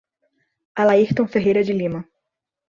Alairton Ferreira de Lima